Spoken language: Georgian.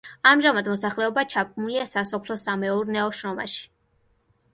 ამჟამად მოსახლეობა ჩაბმულია სასოფლო-სამეურნეო შრომაში.